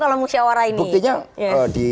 kalau musyawarah ini buktinya di